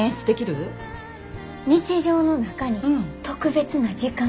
日常の中に特別な時間。